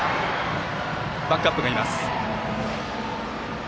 バックアップがいます。